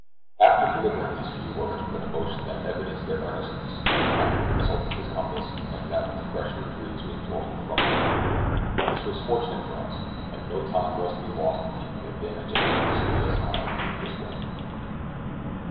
After delivering these few words with an emotion that evidenced their earnestness, the captain consulted his compass, and found that the freshening breeze was blowing from the north. This was fortunate for us, and no time was to be lost in taking advantage of it to speed us on our dubious way.